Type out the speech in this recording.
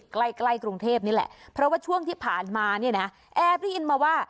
ใกล้ใกล้กรุงเทพนี่แหละเพราะว่าช่วงที่ผ่านมาเนี่ยนะแอบได้ยินมาว่า